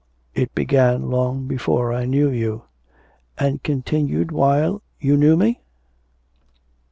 It began long before I knew you.' 'And continued while you knew me?'